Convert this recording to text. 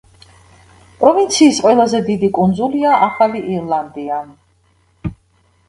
პროვინციის ყველაზე დიდი კუნძულია ახალი ირლანდია.